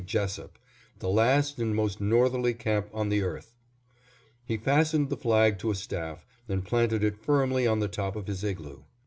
Jesup, the last and most northerly camp on the earth." He fastened the flag to a staff and planted it firmly on the top of his igloo.